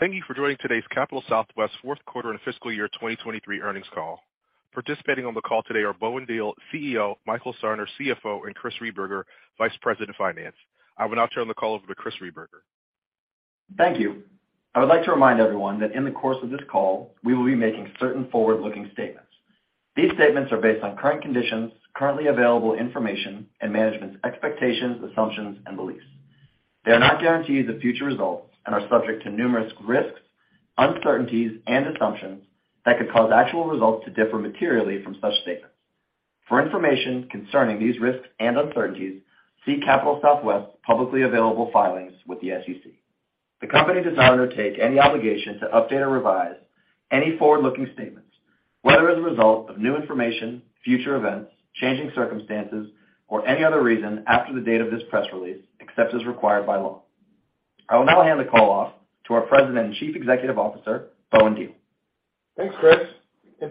Thank you for joining today's Capital Southwest fourth quarter and fiscal year 2023 earnings call. Participating on the call today are Bowen Diehl, CEO, Michael Sarner, CFO, and Chris Rehberger, Vice President of Finance. I will now turn the call over to Chris Rehberger. Thank you. I would like to remind everyone that in the course of this call, we will be making certain forward-looking statements. These statements are based on current conditions, currently available information, and management's expectations, assumptions, and beliefs. They are not guarantees of future results and are subject to numerous risks, uncertainties, and assumptions that could cause actual results to differ materially from such statements. For information concerning these risks and uncertainties, see Capital Southwest's publicly available filings with the SEC. The company does not undertake any obligation to update or revise any forward-looking statements, whether as a result of new information, future events, changing circumstances, or any other reason after the date of this press release, except as required by law. I will now hand the call off to our President and Chief Executive Officer, Bowen Diehl. Thanks, Chris,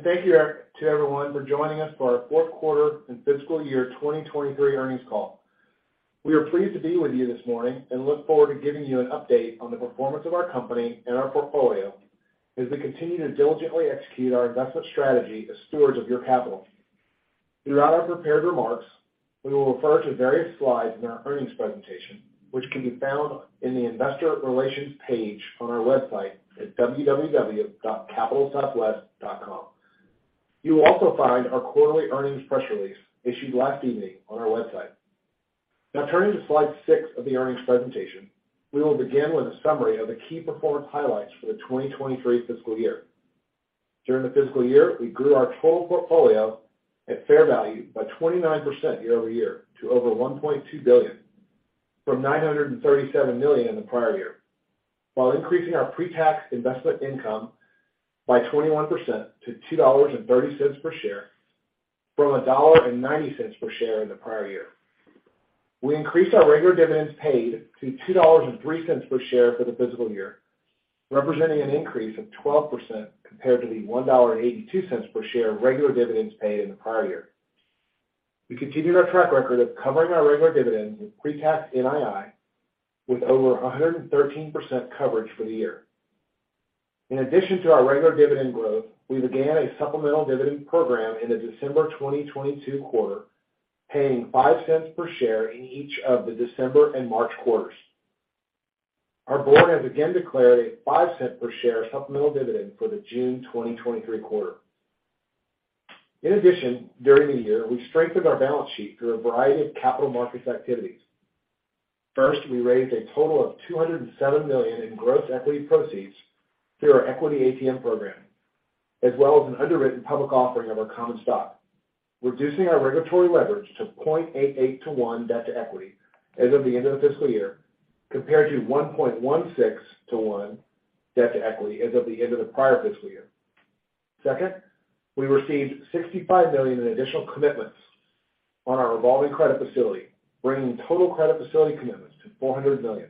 thank you to everyone for joining us for our fourth quarter and fiscal year 2023 earnings call. We are pleased to be with you this morning and look forward to giving you an update on the performance of our company and our portfolio as we continue to diligently execute our investment strategy as stewards of your capital. Throughout our prepared remarks, we will refer to various slides in our earnings presentation, which can be found in the investor relations page on our website at www.capital southwest.com. You will also find our quarterly earnings press release issued last evening on our website. Now turning to slide six of the earnings presentation, we will begin with a summary of the key performance highlights for the 2023 fiscal year. During the fiscal year, we grew our total portfolio at fair value by 29% year-over-year to over $1.2 billion from $937 million in the prior year, while increasing our pre-tax investment income by 21% to $2.30 per share from $1.90 per share in the prior year. We increased our regular dividends paid to $2.03 per share for the fiscal year, representing an increase of 12% compared to the $1.82 per share of regular dividends paid in the prior year. We continued our track record of covering our regular dividends with pre-tax NII with over 113% coverage for the year. In addition to our regular dividend growth, we began a supplemental dividend program in the December 2022 quarter, paying $0.05 per share in each of the December and March quarters. Our board has again declared a $0.05 per share supplemental dividend for the June 2023 quarter. During the year, we strengthened our balance sheet through a variety of capital markets activities. First, we raised a total of $207 million in gross equity proceeds through our equity ATM program, as well as an underwritten public offering of our common stock, reducing our regulatory leverage to 0.88x to 1x debt to equity as of the end of the fiscal year, compared to 1.16x to 1x debt to equity as of the end of the prior fiscal year. Second, we received $65 million in additional commitments on our revolving credit facility, bringing total credit facility commitments to $400 million.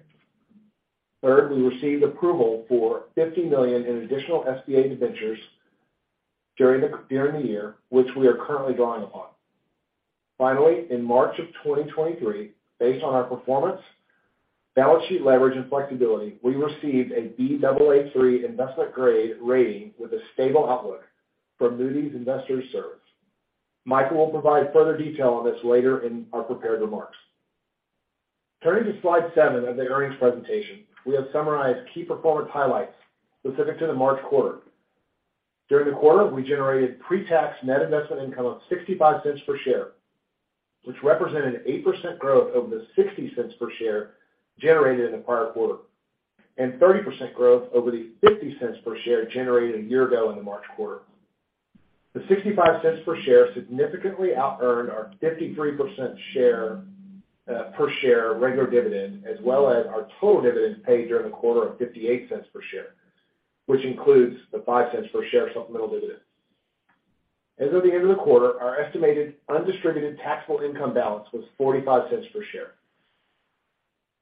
Third, we received approval for $50 million in additional SBA debentures during the year, which we are currently drawing upon. Finally, in March of 2023, based on our performance, balance sheet leverage and flexibility, we received a Baa3 investment grade rating with a stable outlook from Moody's Investors Service. Michael will provide further detail on this later in our prepared remarks. Turning to slide seven of the earnings presentation, we have summarized key performance highlights specific to the March quarter. During the quarter, we generated pre-tax net investment income of $0.65 per share, which represented an 8% growth over the $0.60 per share generated in the prior quarter, and 30% growth over the $0.50 per share generated a year ago in the March quarter. The $0.65 per share significantly outearned our 53% share per share regular dividend as well as our total dividends paid during the quarter of $0.58 per share, which includes the $0.05 per share supplemental dividend. As of the end of the quarter, our estimated undistributed taxable income balance was $0.45 per share.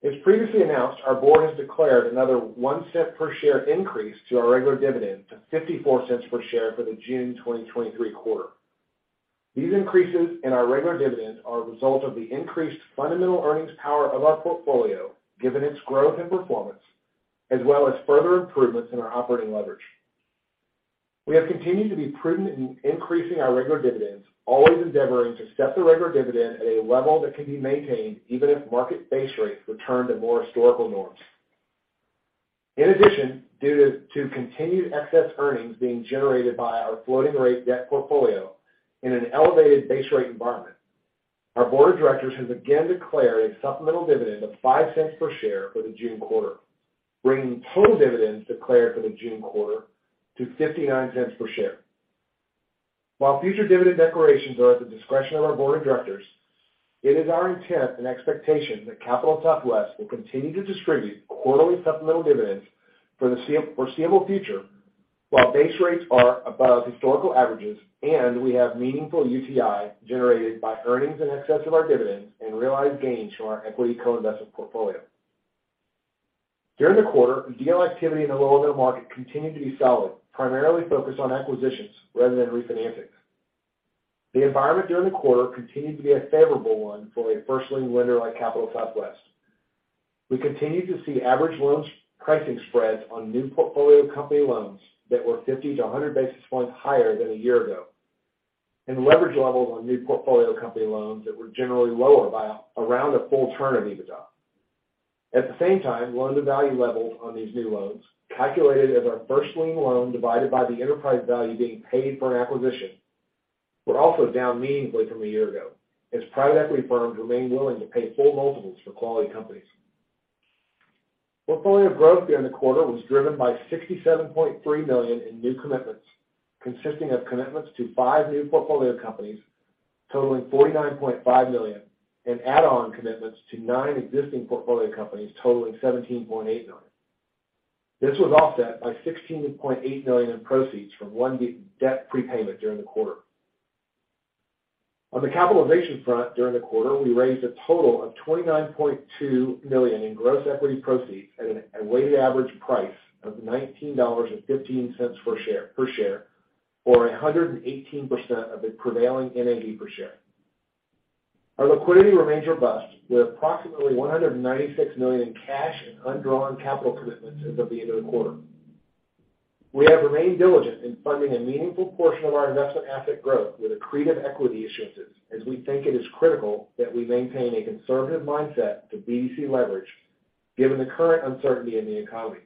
As previously announced, our board has declared another $0.01 per share increase to our regular dividend to $0.54 per share for the June 2023 quarter. These increases in our regular dividend are a result of the increased fundamental earnings power of our portfolio, given its growth and performance, as well as further improvements in our operating leverage. We have continued to be prudent in increasing our regular dividends, always endeavoring to set the regular dividend at a level that can be maintained even if market base rates return to more historical norms. In addition, due to continued excess earnings being generated by our floating rate debt portfolio in an elevated base rate environment, our board of directors has again declared a supplemental dividend of $0.05 per share for the June quarter, bringing total dividends declared for the June quarter to $0.59 per share. While future dividend declarations are at the discretion of our board of directors, it is our intent and expectation that Capital Southwest will continue to distribute quarterly supplemental dividends for the foreseeable future while base rates are above historical averages, and we have meaningful UTI generated by earnings in excess of our dividends and realized gains from our equity co-investment portfolio. During the quarter, deal activity in the lower middle market continued to be solid, primarily focused on acquisitions rather than refinancings. The environment during the quarter continued to be a favorable one for a first lien lender like Capital Southwest. We continued to see average loans pricing spreads on new portfolio company loans that were 50-100 basis points higher than a year ago, and leverage levels on new portfolio company loans that were generally lower by around a full turn of EBITDA. At the same time, loan-to-value levels on these new loans, calculated as our first lien loan divided by the enterprise value being paid for an acquisition, were also down meaningfully from a year ago, as private equity firms remain willing to pay full multiples for quality companies. Portfolio growth during the quarter was driven by $67.3 million in new commitments, consisting of commitments to five new portfolio companies totaling $49.5 million and add-on commitments to nine existing portfolio companies totaling $17.8 million. This was offset by $16.8 million in proceeds from one debt prepayment during the quarter. On the capitalization front, during the quarter, we raised a total of $29.2 million in gross equity proceeds at a weighted average price of $19.15 per share, or 118% of the prevailing NAV per share. Our liquidity remains robust with approximately $196 million in cash and undrawn capital commitments as of the end of the quarter. We have remained diligent in funding a meaningful portion of our investment asset growth with accretive equity issuances, as we think it is critical that we maintain a conservative mindset to BDC leverage given the current uncertainty in the economy.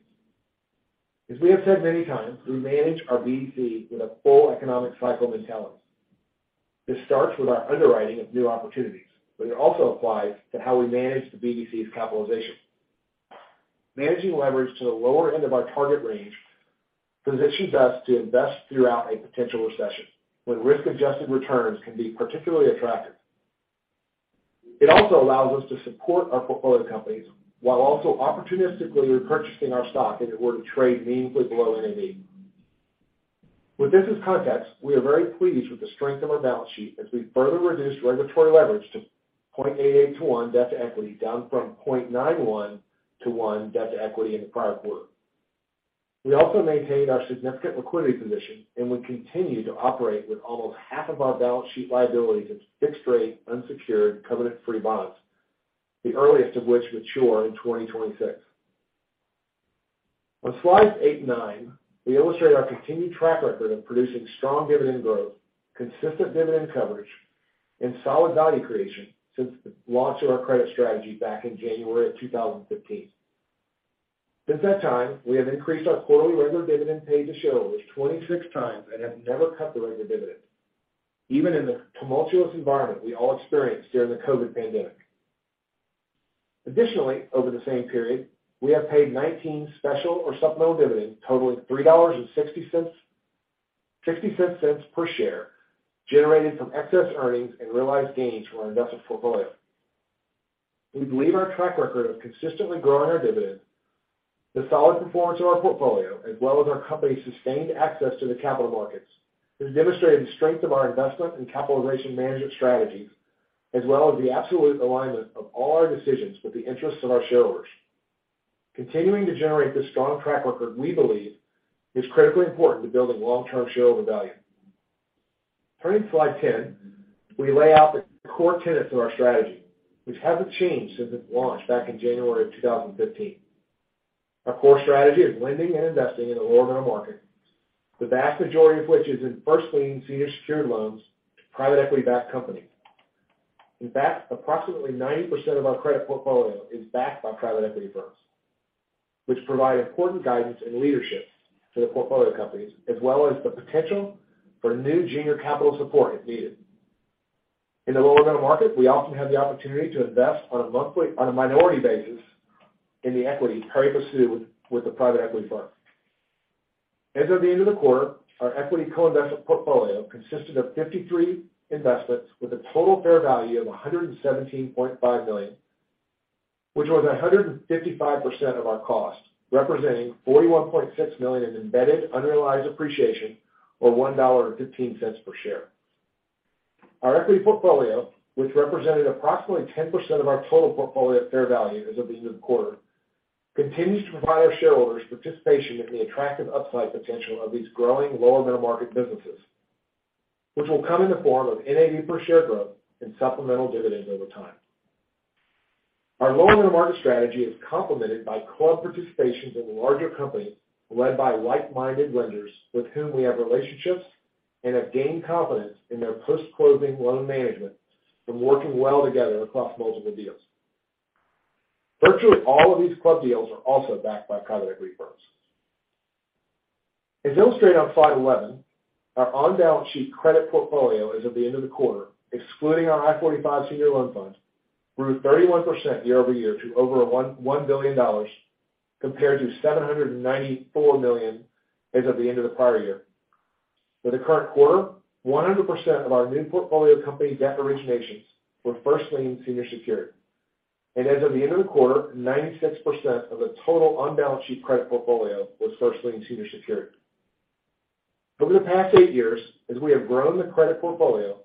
As we have said many times, we manage our BDC with a full economic cycle mentality. This starts with our underwriting of new opportunities, it also applies to how we manage the BDC's capitalization. Managing leverage to the lower end of our target range positions us to invest throughout a potential recession when risk-adjusted returns can be particularly attractive. It also allows us to support our portfolio companies while also opportunistically repurchasing our stock if it were to trade meaningfully below NAV. With this as context, we are very pleased with the strength of our balance sheet as we further reduced regulatory leverage to 0.88x to 1x debt to equity, down from 0.91x to 1x debt to equity in the prior quarter. We also maintained our significant liquidity position, and we continue to operate with almost half of our balance sheet liabilities in fixed rate, unsecured, covenant-free bonds, the earliest of which mature in 2026. On Slides eight and nine, we illustrate our continued track record of producing strong dividend growth, consistent dividend coverage, and solid value creation since the launch of our credit strategy back in January of 2015. Since that time, we have increased our quarterly regular dividend paid to shareholders 26 times and have never cut the regular dividend, even in the tumultuous environment we all experienced during the COVID pandemic. Additionally, over the same period, we have paid 19 special or supplemental dividends totaling $3.67 per share, generated from excess earnings and realized gains from our investment portfolio. We believe our track record of consistently growing our dividend, the solid performance of our portfolio, as well as our company's sustained access to the capital markets, has demonstrated the strength of our investment and capitalization management strategies, as well as the absolute alignment of all our decisions with the interests of our shareholders. Continuing to generate this strong track record, we believe, is critically important to building long-term shareholder value. Turning to slide 10, we lay out the core tenets of our strategy, which haven't changed since its launch back in January of 2015. Our core strategy is lending and investing in the lower middle market, the vast majority of which is in first lien senior secured loans to private equity-backed companies. In fact, approximately 90% of our credit portfolio is backed by private equity firms, which provide important guidance and leadership to the portfolio companies, as well as the potential for new junior capital support if needed. In the lower middle market, we often have the opportunity to invest on a minority basis in the equity pari passu with the private equity firm. As of the end of the quarter, our equity co-investment portfolio consisted of 53 investments with a total fair value of $117.5 million, which was 155% of our cost, representing $41.6 million in embedded unrealized appreciation or $1.15 per share. Our equity portfolio, which represented approximately 10% of our total portfolio fair value as of the end of the quarter, continues to provide our shareholders participation in the attractive upside potential of these growing lower middle market businesses, which will come in the form of NAV per share growth and supplemental dividends over time. Our lower middle market strategy is complemented by club participations in larger companies led by like-minded lenders with whom we have relationships and have gained confidence in their post-closing loan management from working well together across multiple deals. Virtually all of these club deals are also backed by private equity firms. As illustrated on slide 11, our on-balance-sheet credit portfolio as of the end of the quarter, excluding our I-45 Senior Loan Fund, grew 31% year-over-year to over $1.1 billion compared to $794 million as of the end of the prior year. For the current quarter, 100% of our new portfolio company debt originations were first lien senior secured. As of the end of the quarter, 96% of the total on-balance-sheet credit portfolio was first lien senior secured. Over the past eight years, as we have grown the credit portfolio,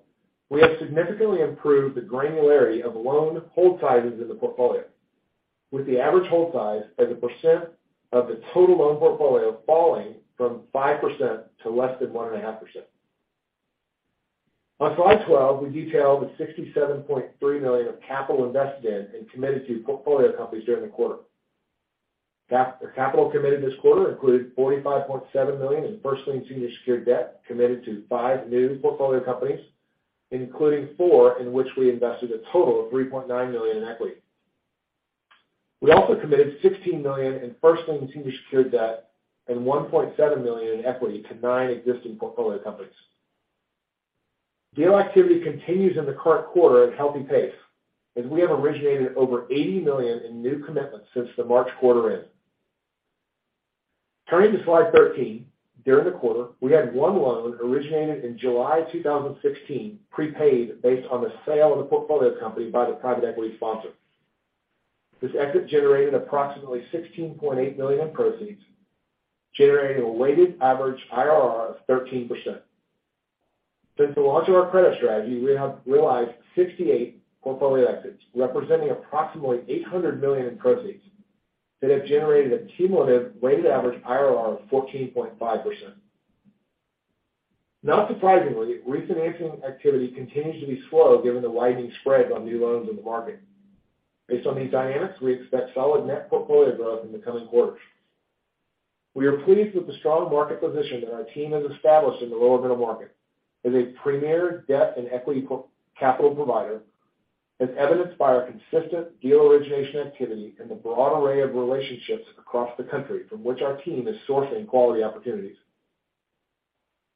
we have significantly improved the granularity of loan hold sizes in the portfolio. With the average hold size as a percent of the total loan portfolio falling from 5% to less than 1.5%. On slide 12, we detail the $67.3 million of capital invested in and committed to portfolio companies during the quarter. The capital committed this quarter included $45.7 million in first lien senior secured debt committed to five new portfolio companies, including four in which we invested a total of $3.9 million in equity. We also committed $16 million in first lien senior secured debt and $1.7 million in equity to nine existing portfolio companies. Deal activity continues in the current quarter at a healthy pace, as we have originated over $80 million in new commitments since the March quarter end. Turning to slide 13, during the quarter, we had one loan originated in July 2016 prepaid based on the sale of the portfolio company by the private equity sponsor. This exit generated approximately $16.8 million in proceeds, generating a weighted average IRR of 13%. Since the launch of our credit strategy, we have realized 68 portfolio exits, representing approximately $800 million in proceeds that have generated a cumulative weighted average IRR of 14.5%. Not surprisingly, refinancing activity continues to be slow given the widening spreads on new loans in the market. Based on these dynamics, we expect solid net portfolio growth in the coming quarters. We are pleased with the strong market position that our team has established in the lower middle market as a premier debt and equity capital provider, as evidenced by our consistent deal origination activity and the broad array of relationships across the country from which our team is sourcing quality opportunities.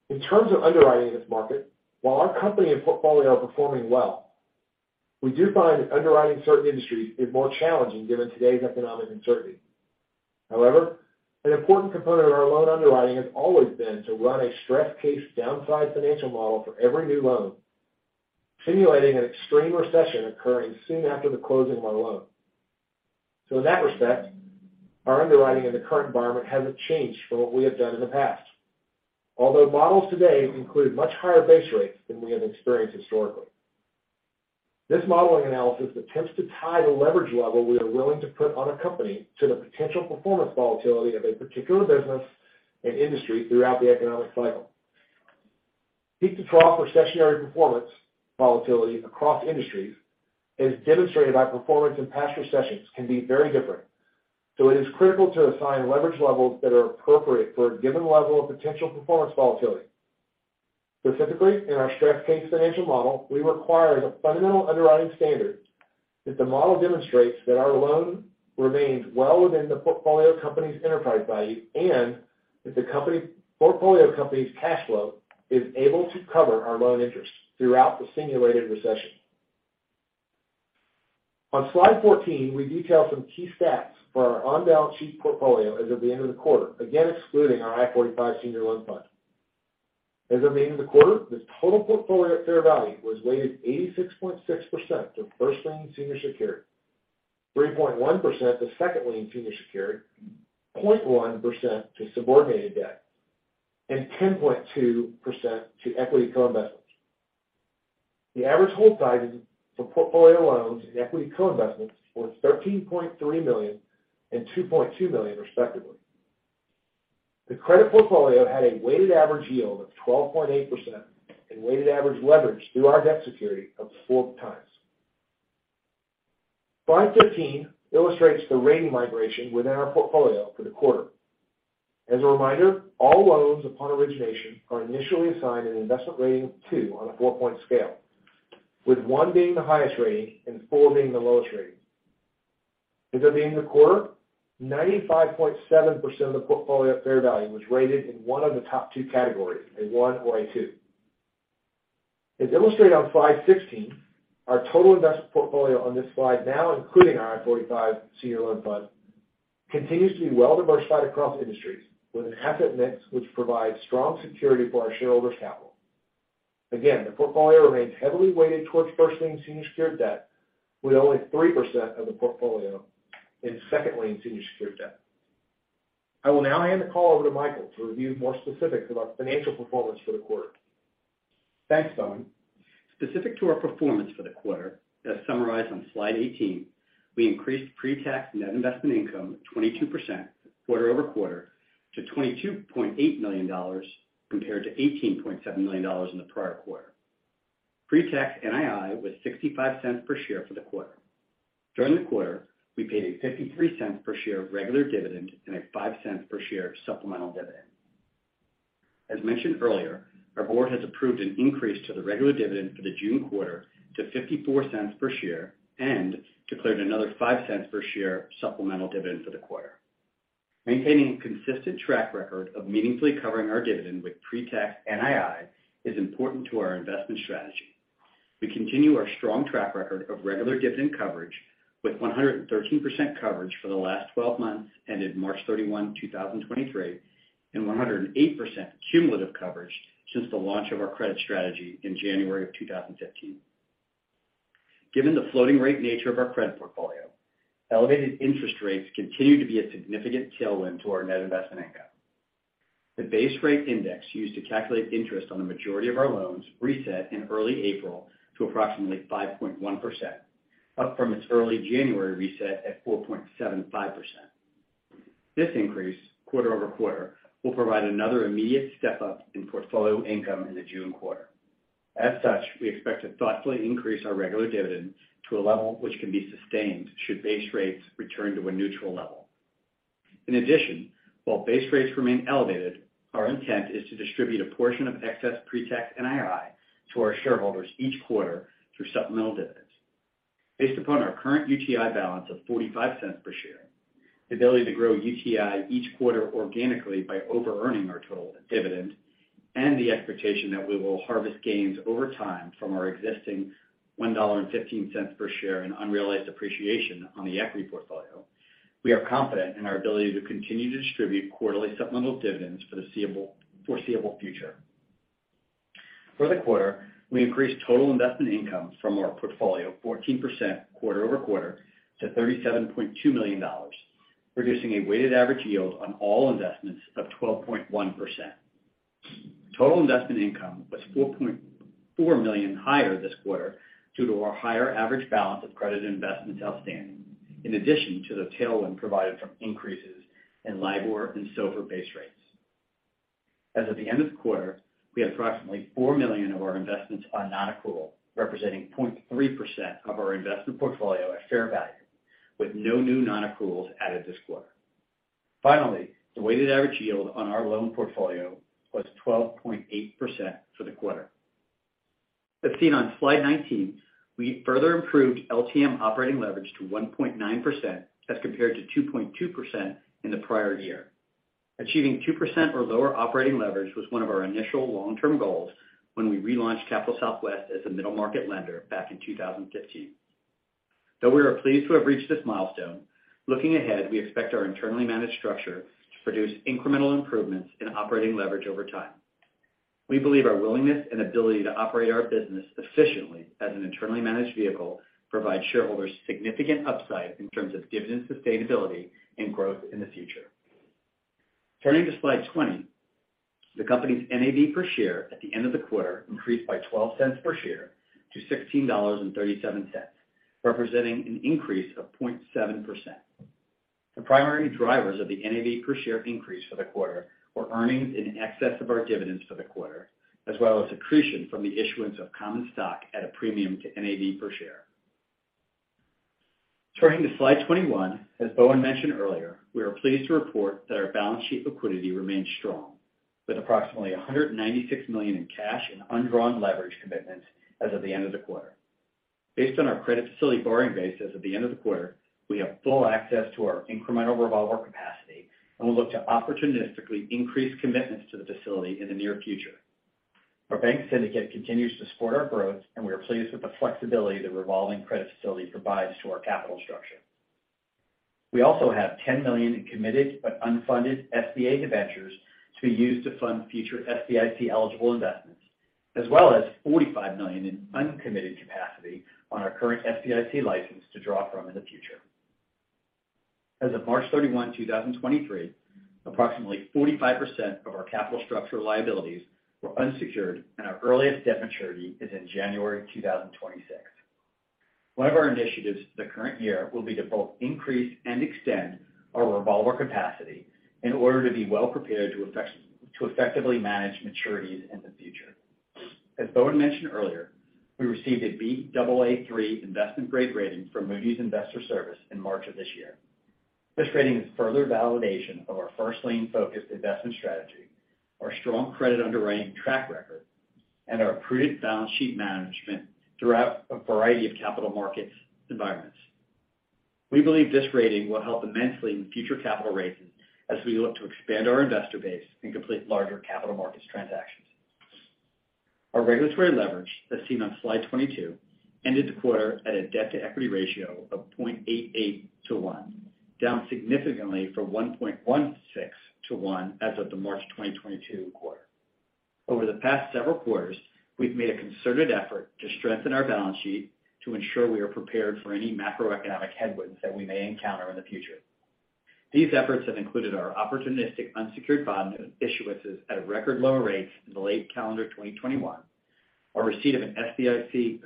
In terms of underwriting this market, while our company and portfolio are performing well, we do find underwriting certain industries is more challenging given today's economic uncertainty. However, an important component of our loan underwriting has always been to run a stress case downside financial model for every new loan, simulating an extreme recession occurring soon after the closing of our loan. In that respect, our underwriting in the current environment hasn't changed from what we have done in the past. Although models today include much higher base rates than we have experienced historically. This modeling analysis attempts to tie the leverage level we are willing to put on a company to the potential performance volatility of a particular business and industry throughout the economic cycle. Peak-to-trough recessionary performance volatility across industries has demonstrated how performance in past recessions can be very different. It is critical to assign leverage levels that are appropriate for a given level of potential performance volatility. Specifically, in our stress case financial model, we require the fundamental underwriting standard that the model demonstrates that our loan remains well within the portfolio company's enterprise value, and that the portfolio company's cash flow is able to cover our loan interest throughout the simulated recession. On slide 14, we detail some key stats for our on-balance sheet portfolio as of the end of the quarter, again excluding our I-45 Senior Loan Fund. As of the end of the quarter, this total portfolio fair value was weighted 86.6% to first lien senior secured, 3.1% to second lien senior secured, 0.1% to subordinated debt, and 10.2% to equity co-investments. The average hold sizes for portfolio loans and equity co-investments was $13.3 million and $2.2 million respectively. The credit portfolio had a weighted average yield of 12.8% and weighted average leverage through our debt security of 4x. Slide 15 illustrates the rating migration within our portfolio for the quarter. As a reminder, all loans upon origination are initially assigned an investment rating of 2 on a 4-point scale, with one being the highest rating and four being the lowest rating. As of the end of the quarter, 95.7% of the portfolio fair value was rated in one of the top two categories, a 1 or a 2. As illustrated on slide 16, our total investment portfolio on this slide now including our I-45 Senior Loan Fund continues to be well diversified across industries with an asset mix which provides strong security for our shareholders' capital. Again, the portfolio remains heavily weighted towards first lien senior secured debt with only 3% of the portfolio in second lien senior secured debt. I will now hand the call over to Michael to review more specifics of our financial performance for the quarter. Thanks, Bowen. Specific to our performance for the quarter, as summarized on slide 18, we increased pre-tax Net Investment Income 22% quarter-over-quarter to $22.8 million compared to $18.7 million in the prior quarter. Pre-tax NII was $0.65 per share for the quarter. During the quarter, we paid a $0.53 per share regular dividend and a $0.05 per share supplemental dividend. As mentioned earlier, our board has approved an increase to the regular dividend for the June quarter to $0.54 per share and declared another $0.05 per share supplemental dividend for the quarter. Maintaining a consistent track record of meaningfully covering our dividend with pre-tax NII is important to our investment strategy. We continue our strong track record of regular dividend coverage with 113% coverage for the last 12 months ended March 31, 2023, and 108% cumulative coverage since the launch of our credit strategy in January of 2015. Given the floating rate nature of our credit portfolio, elevated interest rates continue to be a significant tailwind to our net investment income. The base rate index used to calculate interest on the majority of our loans reset in early April to approximately 5.1%, up from its early January reset at 4.75%. This increase quarter-over-quarter will provide another immediate step-up in portfolio income in the June quarter. We expect to thoughtfully increase our regular dividend to a level which can be sustained should base rates return to a neutral level. While base rates remain elevated, our intent is to distribute a portion of excess pre-tax NII to our shareholders each quarter through supplemental dividends. Based upon our current UTI balance of $0.45 per share, the ability to grow UTI each quarter organically by overearning our total dividend, and the expectation that we will harvest gains over time from our existing $1.15 per share in unrealized appreciation on the equity portfolio, we are confident in our ability to continue to distribute quarterly supplemental dividends for the foreseeable future. For the quarter, we increased total investment income from our portfolio 14% quarter-over-quarter to $37.2 million, producing a weighted average yield on all investments of 12.1%. Total investment income was $4.4 million higher this quarter due to our higher average balance of credit investments outstanding, in addition to the tailwind provided from increases in LIBOR and SOFR base rates. As of the end of the quarter, we had approximately $4 million of our investments on non-accrual, representing 0.3% of our investment portfolio at fair value, with no new non-accruals added this quarter. Finally, the weighted average yield on our loan portfolio was 12.8% for the quarter. As seen on slide 19, we further improved LTM operating leverage to 1.9% as compared to 2.2% in the prior year. Achieving 2% or lower operating leverage was one of our initial long-term goals when we relaunched Capital Southwest as a middle market lender back in 2015. Though we are pleased to have reached this milestone, looking ahead, we expect our internally managed structure to produce incremental improvements in operating leverage over time. We believe our willingness and ability to operate our business efficiently as an internally managed vehicle provides shareholders significant upside in terms of dividend sustainability and growth in the future. Turning to slide 20, the company's NAV per share at the end of the quarter increased by $0.12 per share to $16.37, representing an increase of 0.7%. The primary drivers of the NAV per share increase for the quarter were earnings in excess of our dividends for the quarter, as well as accretion from the issuance of common stock at a premium to NAV per share. Turning to slide 21, as Bowen mentioned earlier, we are pleased to report that our balance sheet liquidity remains strong, with approximately $196 million in cash and undrawn leverage commitments as of the end of the quarter. Based on our credit facility borrowing base as of the end of the quarter, we have full access to our incremental revolver capacity and will look to opportunistically increase commitments to the facility in the near future. Our bank syndicate continues to support our growth. We are pleased with the flexibility the revolving credit facility provides to our capital structure. We also have $10 million in committed but unfunded SBA debentures to be used to fund future SBIC-eligible investments, as well as $45 million in uncommitted capacity on our current SBIC license to draw from in the future. As of March 31, 2023, approximately 45% of our capital structure liabilities were unsecured, our earliest debt maturity is in January 2026. One of our initiatives for the current year will be to both increase and extend our revolver capacity in order to be well prepared to effectively manage maturities in the future. As Bowen mentioned earlier, we received a Baa3 investment-grade rating from Moody's Investors Service in March of this year. This rating is further validation of our first lien-focused investment strategy, our strong credit underwriting track record, and our prudent balance sheet management throughout a variety of capital markets environments. We believe this rating will help immensely in future capital raises as we look to expand our investor base and complete larger capital markets transactions. Our regulatory leverage, as seen on slide 22, ended the quarter at a debt-to-equity ratio of 0.88x to 1x, down significantly from 1.16x to 1x as of the March 2022 quarter. Over the past several quarters, we've made a concerted effort to strengthen our balance sheet to ensure we are prepared for any macroeconomic headwinds that we may encounter in the future. These efforts have included our opportunistic unsecured bond issuances at record low rates in the late calendar 2021, our receipt of an SBA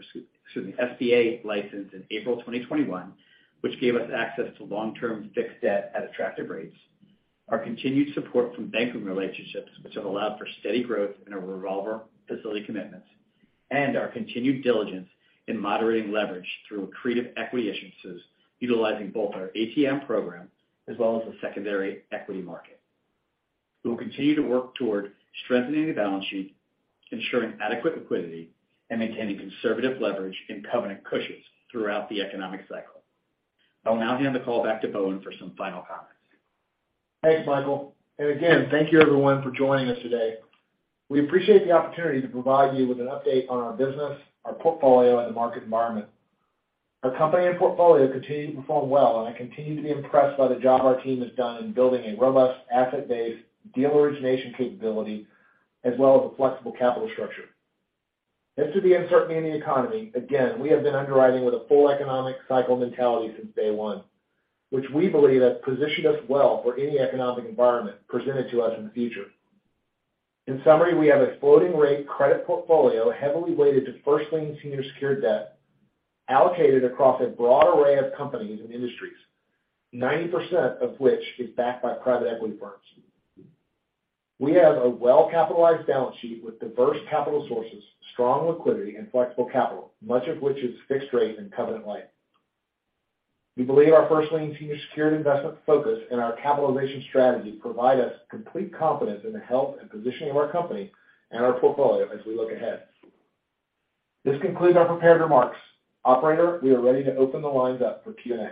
license in April 2021, which gave us access to long-term fixed debt at attractive rates, our continued support from banking relationships which have allowed for steady growth in our revolver facility commitments, and our continued diligence in moderating leverage through accretive equity issuances utilizing both our ATM program as well as the secondary equity market. We will continue to work toward strengthening the balance sheet, ensuring adequate liquidity, and maintaining conservative leverage and covenant cushions throughout the economic cycle. I will now hand the call back to Bowen for some final comments. Thanks, Michael. Again, thank you everyone for joining us today. We appreciate the opportunity to provide you with an update on our business, our portfolio, and the market environment. Our company and portfolio continue to perform well, and I continue to be impressed by the job our team has done in building a robust asset base, deal origination capability, as well as a flexible capital structure. As to the uncertainty in the economy, again, we have been underwriting with a full economic cycle mentality since day one, which we believe has positioned us well for any economic environment presented to us in the future. In summary, we have a floating rate credit portfolio heavily weighted to first lien senior secured debt allocated across a broad array of companies and industries, 90% of which is backed by private equity firms. We have a well-capitalized balance sheet with diverse capital sources, strong liquidity and flexible capital, much of which is fixed rate and covenant light. We believe our first lien senior secured investment focus and our capital raising strategy provide us complete confidence in the health and positioning of our company and our portfolio as we look ahead. This concludes our prepared remarks. Operator, we are ready to open the lines up for Q&A.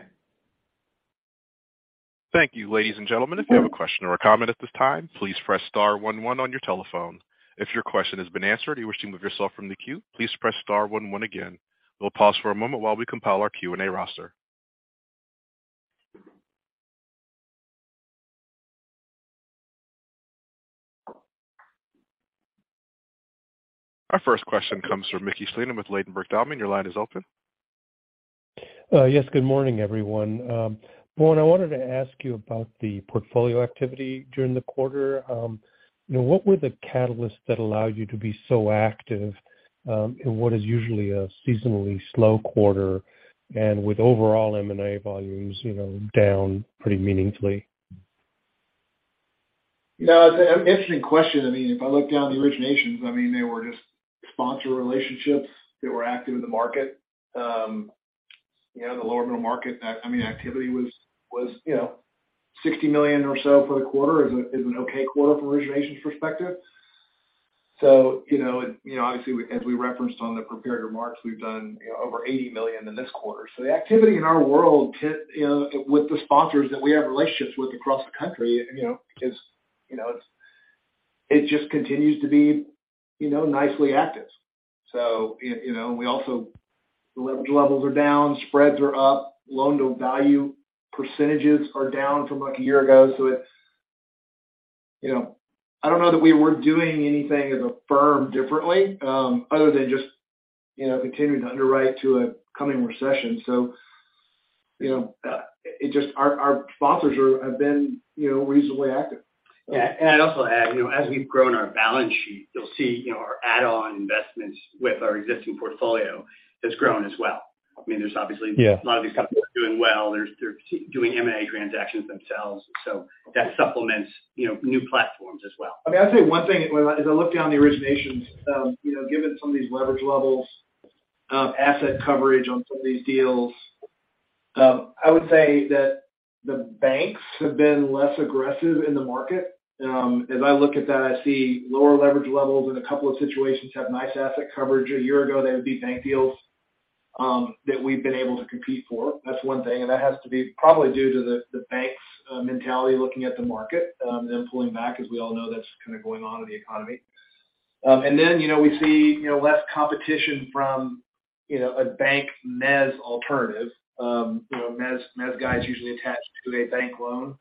Thank you. Ladies and gentlemen, if you have a question or a comment at this time, please press star one one on your telephone. If your question has been answered and you wish to move yourself from the queue, please press star one one again. We'll pause for a moment while we compile our Q&A roster. Our first question comes from Mickey Schleien with Ladenburg Thalmann. Your line is open. Yes, good morning, everyone. Bowen, I wanted to ask you about the portfolio activity during the quarter. You know, what were the catalysts that allowed you to be so active, in what is usually a seasonally slow quarter and with overall M&A volumes, you know, down pretty meaningfully? You know, it's an interesting question. I mean, if I look down the originations, I mean, they were just sponsor relationships. They were active in the market. You know, the lower middle market, I mean, activity was $60 million or so for the quarter is an okay quarter from an originations perspective. Obviously as we referenced on the prepared remarks, we've done, you know, over $80 million in this quarter. The activity in our world, you know, with the sponsors that we have relationships with across the country, is, you know, It just continues to be, you know, nicely active. You know, the leverage levels are down, spreads are up, loan-to-value percentages are down from like a year ago. It's, you know, I don't know that we were doing anything as a firm differently, other than just, you know, continuing to underwrite to a coming recession. You know, it just, our sponsors are, have been, you know, reasonably active. Yeah. I'd also add, you know, as we've grown our balance sheet, you'll see, you know, our add-on investments with our existing portfolio has grown as well. I mean, there's obviously. Yeah. A lot of these companies are doing well. They're doing M&A transactions themselves, that supplements, you know, new platforms as well. I mean, I'd say one thing as I look down the originations, you know, given some of these leverage levels, asset coverage on some of these deals, I would say that the banks have been less aggressive in the market. As I look at that, I see lower leverage levels and a couple of situations have nice asset coverage. A year ago, they would be bank deals that we've been able to compete for. That's one thing, that has to be probably due to the banks' mentality looking at the market and pulling back. As we all know, that's kind of going on in the economy. Then, you know, we see, you know, less competition from, you know, a bank mezz alternative. You know, mezzanine is usually attached to a bank loan.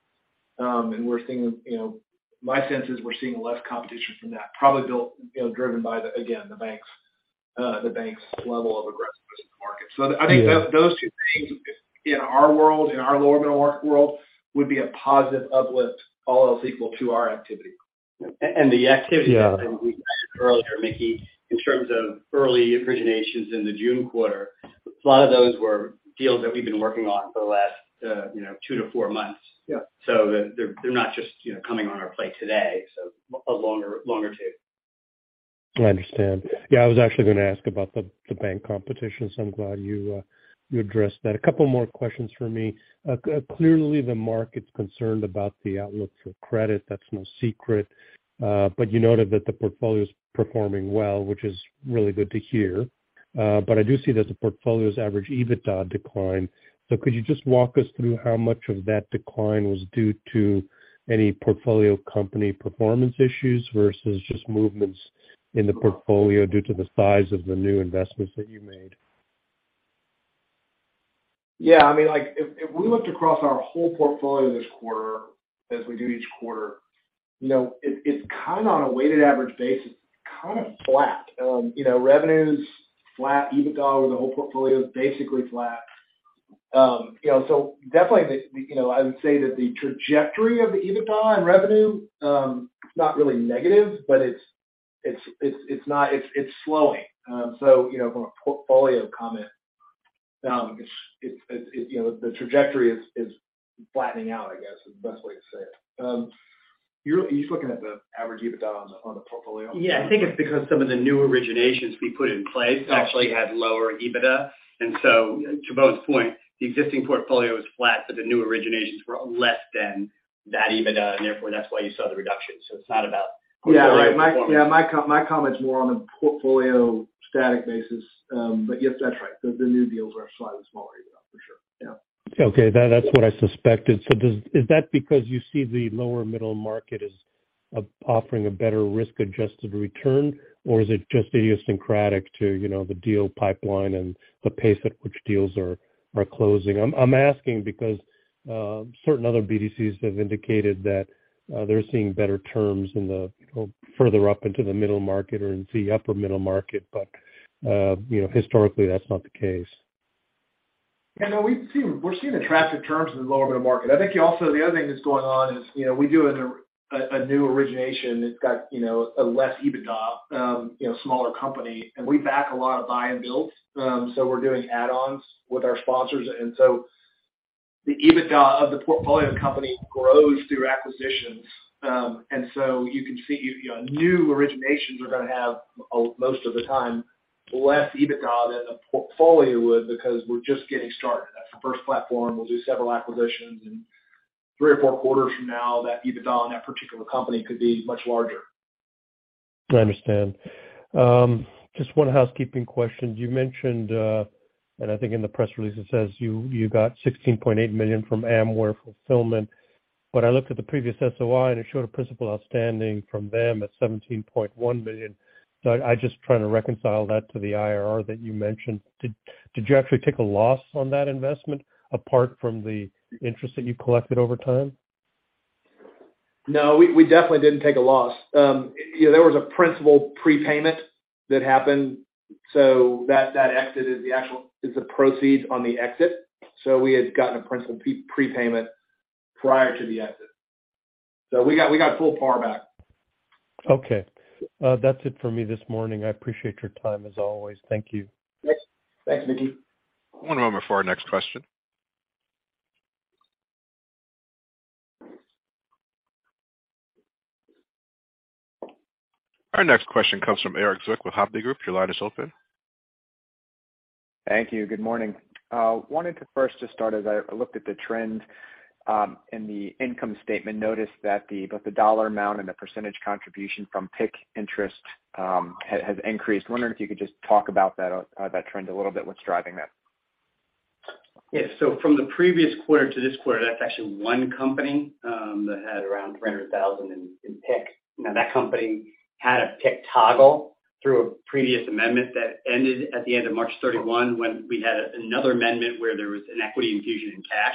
We're seeing, you know, my sense is we're seeing less competition from that, probably built, you know, driven by the, again, the bank's level of aggressiveness in the market. I think those two things in our world, in our lower middle market world, would be a positive uplift, all else equal to our activity. The Schleien inquiry- Yeah. We mentioned earlier, Mickey, in terms of early originations in the June quarter, a lot of those were deals that we've been working on for the last, you know, two to four months. Yeah. They're not just, you know, coming on our plate today, so a longer tail. I understand. Yeah, I was actually gonna ask about the bank competition, so I'm glad you addressed that. A couple more questions from me. Clearly the market's concerned about the outlook for credit. That's no secret. But you noted that the portfolio is performing well, which is really good to hear. But I do see that the portfolio's average EBITDA declined. Could you just walk us through how much of that decline was due to any portfolio company performance issues versus just movements in the portfolio due to the size of the new investments that you made? I mean, like if we looked across our whole portfolio this quarter as we do each quarter, you know, it's kind of on a weighted average basis, kind of flat. You know, revenues flat, EBITDA with the whole portfolio is basically flat. You know, definitely, you know, I would say that the trajectory of the EBITDA and revenue, it's not really negative, but it's slowing. You know, from a portfolio comment, it's, you know, the trajectory is flattening out, I guess, is the best way to say it. He's looking at the average EBITDA on the portfolio. Yeah. I think it's because some of the new originations we put in place actually had lower EBITDA. To Bowen's point, the existing portfolio is flat, but the new originations were less than that EBITDA, and therefore that's why you saw the reduction. It's not about- Yeah. My comment's more on a portfolio static basis. Yes, that's right. The new deals are slightly smaller EBITDA for sure. Yeah. Okay. That's what I suspected. Is that because you see the lower middle market as offering a better risk-adjusted return, or is it just idiosyncratic to, you know, the deal pipeline and the pace at which deals are closing? I'm asking because certain other BDCs have indicated that they're seeing better terms in the, you know, further up into the middle market or in the upper middle market. You know, historically, that's not the case. Yeah. No, we're seeing the traffic terms in the lower middle market. I think also the other thing that's going on is, you know, we do a new origination that's got, you know, a less EBITDA, you know, smaller company. We back a lot of buy and build. We're doing add-ons with our sponsors. The EBITDA of the portfolio company grows through acquisitions. You can see, you know, new originations are gonna have most of the time, less EBITDA than the portfolio would because we're just getting started. That's the first platform. We'll do several acquisitions. Three or four quarters from now, that EBITDA on that particular company could be much larger. I understand. Just one housekeeping question? You mentioned, I think in the press release it says you got $16.8 million from Amware Fulfillment. When I looked at the previous SOI, it showed a principal outstanding from them at $17.1 million. I just try to reconcile that to the IRR that you mentioned. Did you actually take a loss on that investment apart from the interest that you collected over time? No, we definitely didn't take a loss. you know, there was a principal prepayment that happened. that exit is the proceeds on the exit. we had gotten a principal prepayment prior to the exit. we got full par back. Okay. That's it for me this morning. I appreciate your time as always. Thank you. Thanks. Thanks, Mickey. One moment for our next question. Our next question comes from Erik Zwick with Hovde Group. Your line is open. Thank you. Good morning. Wanted to first just start as I looked at the trend, in the income statement. Noticed that the, both the dollar amount and the percentage contribution from PIK interest, has increased. Wondering if you could just talk about that trend a little bit, what's driving that? From the previous quarter to this quarter, that's actually one company that had around $300,000 in PIK. That company had a PIK toggle through a previous amendment that ended at the end of March 31 when we had another amendment where there was an equity infusion in cash.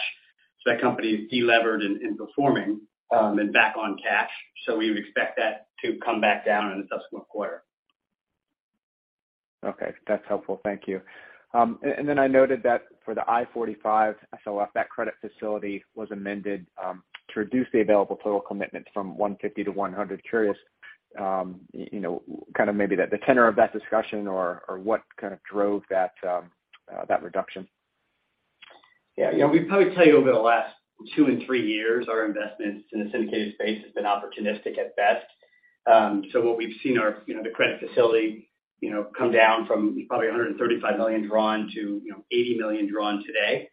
That company is de-levered and performing and back on cash. We would expect that to come back down in the subsequent quarter. Okay. That's helpful. Thank you. I noted that for the I-45 SLF, that credit facility was amended to reduce the available total commitment from $150 to $100. Curious, you know, kind of maybe the tenor of that discussion or what kind of drove that reduction. Yeah. You know, we'd probably tell you over the last two and three years, our investments in the syndicated space has been opportunistic at best. What we've seen are, you know, the credit facility, you know, come down from probably $135 million drawn to, you know, $80 million drawn today.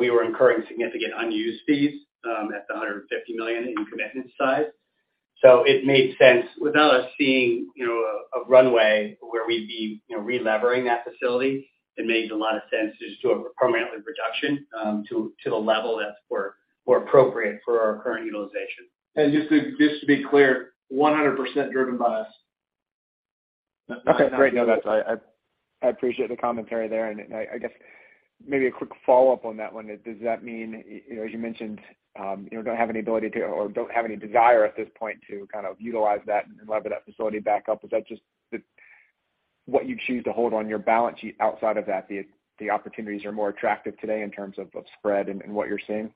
We were incurring significant unused fees, at the $150 million in commitment side. It made sense without us seeing, you know, a runway where we'd be, you know, relevering that facility. It made a lot of sense just to a permanently reduction, to the level that's more, more appropriate for our current utilization. Just to be clear, 100% driven by us. Okay. Great. No, that's I appreciate the commentary there. I guess maybe a quick follow-up on that one. Does that mean, you know, as you mentioned, you know, don't have any ability to or don't have any desire at this point to kind of utilize that and lever that facility back up? Is that just what you choose to hold on your balance sheet outside of that? The opportunities are more attractive today in terms of spread and what you're seeing?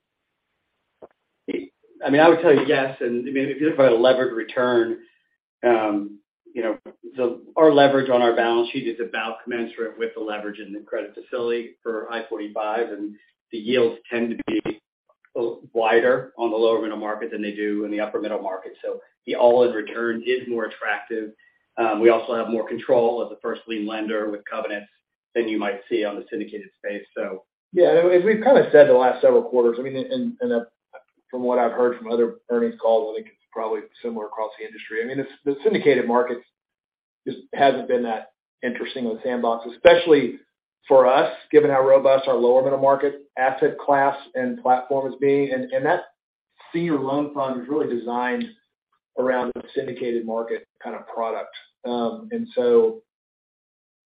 I mean, I would tell you yes. I mean, if you think about a levered return, you know, our leverage on our balance sheet is about commensurate with the leverage in the credit facility for I-45, and the yields tend to be a little wider on the lower middle market than they do in the upper middle market. The all-in return is more attractive. We also have more control as a first lien lender with covenants than you might see on the syndicated space. Yeah, as we've kind of said the last several quarters, I mean, from what I've heard from other earnings calls, I think it's probably similar across the industry. I mean, the syndicated markets just hasn't been that interesting within that box, especially for us, given how robust our lower middle market asset class and platform is being. That senior loan fund is really designed around the syndicated market kind of product.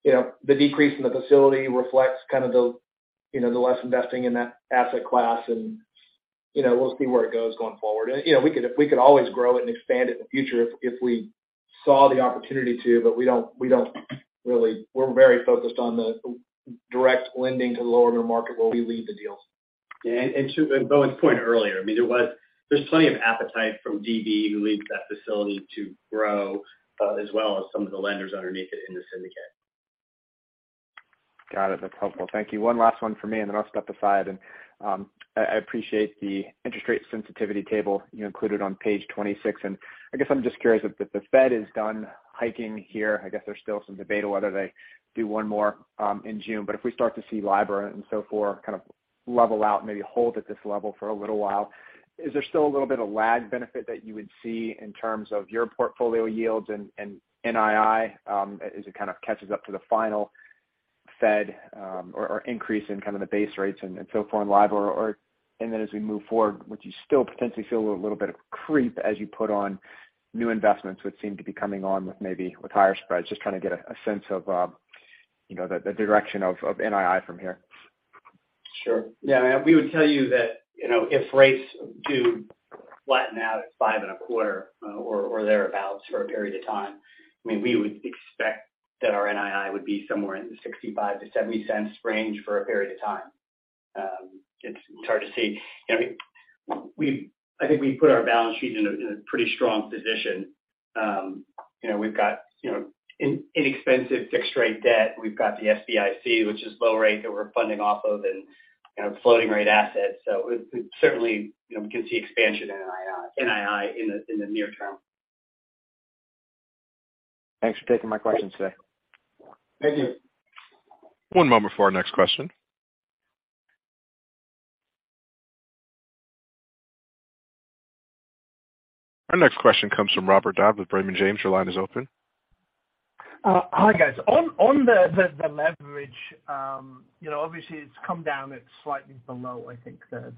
You know, the decrease in the facility reflects kind of the, you know, the less investing in that asset class, and, you know, we'll see where it goes going forward. You know, we could always grow it and expand it in the future if we saw the opportunity to, we don't really... We're very focused on the direct lending to the lower middle market where we lead the deals. Yeah. To Bowen's point earlier, I mean, there's plenty of appetite from DB who leads that facility to grow, as well as some of the lenders underneath it in the syndicate. Got it. That's helpful. Thank you. One last one for me, then I'll step aside. I appreciate the interest rate sensitivity table you included on page 26. I guess I'm just curious if the Fed is done hiking here. I guess there's still some debate whether they do one more in June. If we start to see LIBOR and so forth, kind of level out, maybe hold at this level for a little while, is there still a little bit of lag benefit that you would see in terms of your portfolio yields and NII as it kind of catches up to the final Fed or increase in kind of the base rates and so forth in LIBOR? As we move forward, would you still potentially see a little bit of creep as you put on new investments, which seem to be coming on with maybe with higher spreads? Just trying to get a sense of, you know, the direction of NII from here. Sure. Yeah. We would tell you that, you know, if rates do flatten out at 5.25% or thereabouts for a period of time. I mean, we would expect that our NII would be somewhere in the $0.65-$0.70 range for a period of time. It's hard to see. You know, I think we put our balance sheet in a, in a pretty strong position. You know, we've got, you know, inexpensive fixed rate debt. We've got the SBIC, which is low rate that we're funding off of and, you know, floating rate assets. We, we certainly, you know, we can see expansion in NII in the, in the near term. Thanks for taking my question today. Thank you. One moment for our next question. Our next question comes from Robert Dodd with Raymond James. Your line is open. Hi, guys. On the leverage, you know, obviously it's come down. It's slightly below, I think the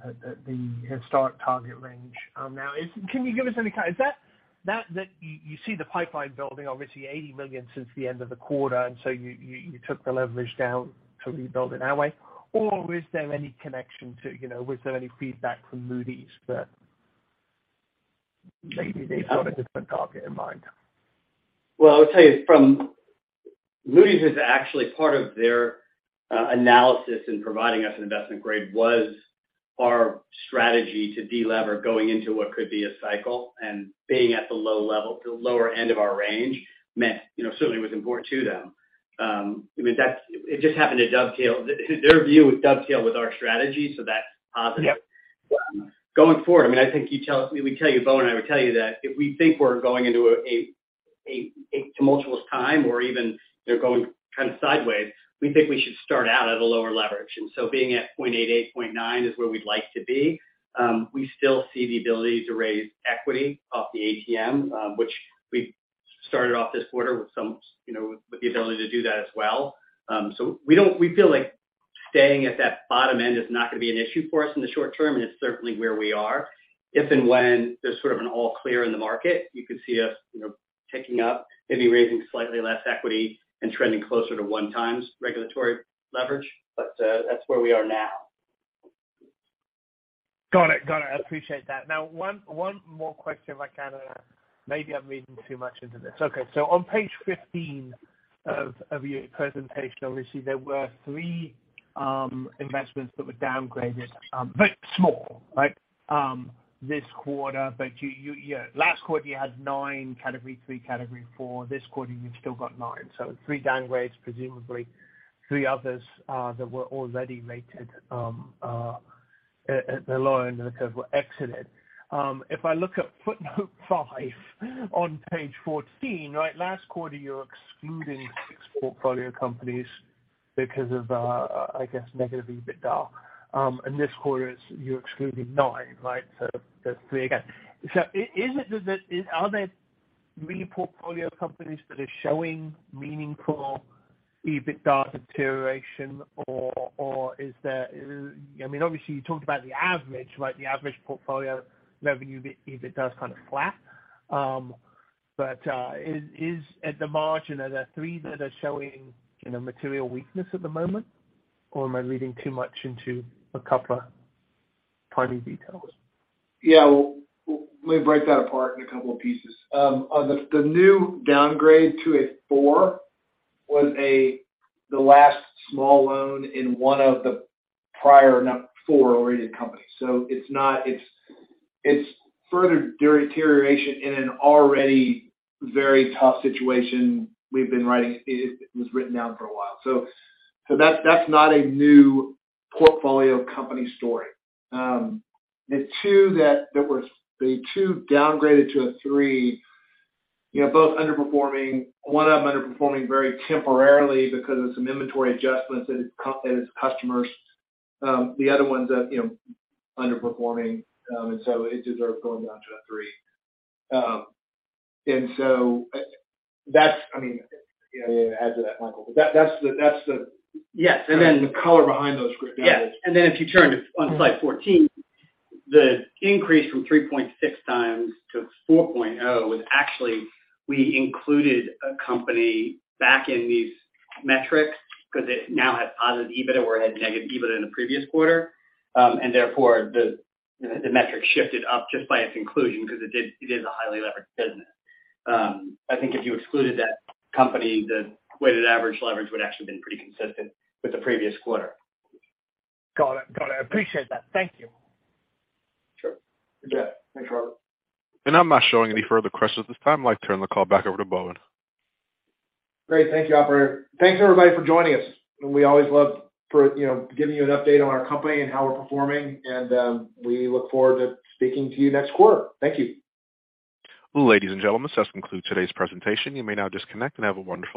historic target range. Is that you see the pipeline building, obviously $80 million since the end of the quarter, and so you took the leverage down to rebuild it that way? Or is there any connection to, you know, was there any feedback from Moody's that maybe they've got a different target in mind? Moody's is actually part of their analysis in providing us an investment grade was our strategy to delever going into what could be a cycle and being at the low level. The lower end of our range meant, you know, certainly was important to them. I mean, it just happened to dovetail. Their view would dovetail with our strategy. That's positive. Yeah. Going forward, I mean, I think you tell us. We tell you, Bowen and I would tell you that if we think we're going into a tumultuous time or even, you know, going kind of sideways, we think we should start out at a lower leverage. Being at 0.8x, 0.9x is where we'd like to be. We still see the ability to raise equity off the ATM, which we started off this quarter with some, you know, with the ability to do that as well. We feel like staying at that bottom end is not gonna be an issue for us in the short term, and it's certainly where we are. If and when there's sort of an all clear in the market, you could see us, you know, ticking up, maybe raising slightly less equity and trending closer to 1x regulatory leverage. That's where we are now. Got it. Got it. I appreciate that. One, one more question if I can. Maybe I'm reading too much into this. On page 15 of your presentation, obviously there were three investments that were downgraded, but small, right? This quarter, but you last quarter you had nine category three, category four. This quarter, you've still got nine. Three downgrades, presumably three others, that were already rated, the loan that were exited. If I look at footnote 5 on page 14, right? Last quarter, you're excluding six portfolio companies because of I guess negative EBITDA. And this quarter you're excluding nine, right? That's three again. Is it that the... Are there three portfolio companies that are showing meaningful EBITDA deterioration or is there, I mean obviously you talked about the average, like the average portfolio revenue EBITDA is kind of flat. At the margin, are there three that are showing, you know, material weakness at the moment? Or am I reading too much into a couple of party details? Yeah. We break that apart in a couple of pieces. On the new downgrade to a 4 was the last small loan in one of the prior number 4-rated companies. It's not, it's further deterioration in an already very tough situation we've been writing. It was written down for a while. That's not a new portfolio company story. The two that there was... The two downgraded to a 3, you know, both underperforming. One of them underperforming very temporarily because of some inventory adjustments at its customers. The other ones that, you know, underperforming, it deserved going down to a 3. That's, I mean, you know. Yeah, add to that, Michael. that's the. Yes. The color behind those group. Yes. If you turn to on slide 14, the increase from 3.6x to 4.0x was actually we included a company back in these metrics because it now has positive EBITDA, where it had negative EBITDA in the previous quarter. Therefore the metric shifted up just by its inclusion because it is a highly leveraged business. I think if you excluded that company, the weighted average leverage would actually been pretty consistent with the previous quarter. Got it. Got it. I appreciate that. Thank you. Sure. Yeah. Thanks, Robert. I'm not showing any further questions at this time. I'd like to turn the call back over to Bowen. Great. Thank you, operator. Thanks, everybody for joining us. We always love for, you know, giving you an update on our company and how we're performing and, we look forward to speaking to you next quarter. Thank you. Ladies and gentlemen, this concludes today's presentation. You may now disconnect and have a wonderful day.